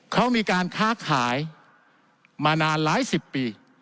เขามีการค้าขายมานานหลายสิบปี